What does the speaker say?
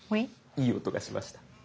いい音がしました。